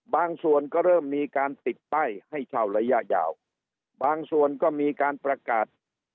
ส่วนก็เริ่มมีการติดป้ายให้เช่าระยะยาวบางส่วนก็มีการประกาศ